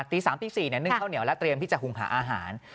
ตี๓ตี๔นึ่งข้าวเหนียวและเตรียมที่จะหุงหาอาหาร